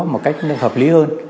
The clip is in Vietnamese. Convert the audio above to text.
một cách nó hợp lý hơn